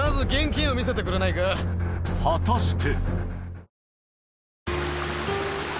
果たして？